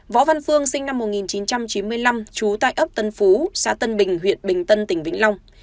võ văn phương sinh năm một nghìn chín trăm chín mươi năm trú tại ấp tân phú xã tân bình huyện bình tân tỉnh vĩnh long